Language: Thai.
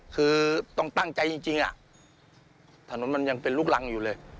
คือต้องตั้งใจจริงถนนมันยังเป็นลูกรังอยู่เลย